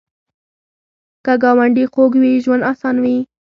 که ګاونډي خوږ وي، ژوند اسان وي